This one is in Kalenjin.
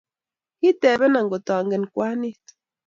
Kotebenan ngotangen kwanit.